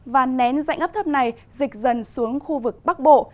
và nén dạng áp thấp này dịch dần xuống khu vực bắc bộ